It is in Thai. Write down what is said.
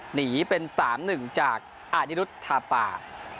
หนีเป็นสามหนึ่งจากอดิรุทธาปะ